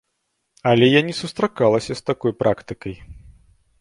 Але я не сустракалася з такой практыкай.